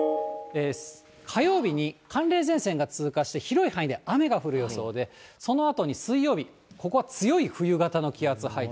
火曜日に寒冷前線が通過して、広い範囲で雨が降る予想で、そのあとに水曜日、ここは強い冬型の気圧配置、